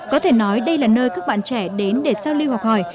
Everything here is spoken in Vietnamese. có thể nói đây là nơi các bạn trẻ đến để sao lưu hoặc hỏi